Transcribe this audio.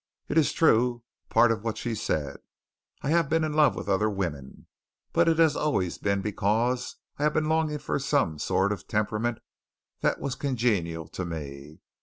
It is true, part of what she said. I have been in love with other women, but it has always been because I have been longing for some sort of temperament that was congenial to me.